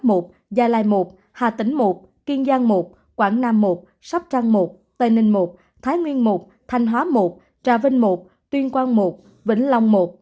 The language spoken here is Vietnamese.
hà tĩnh một gia lai một hà tĩnh một kiên giang một quảng nam một sắp trăng một tây ninh một thái nguyên một thanh hóa một trà vinh một tuyên quang một vĩnh long một